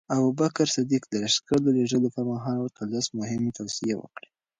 ابوبکر صدیق د لښکر د لېږلو پر مهال ورته لس مهمې توصیې وکړې.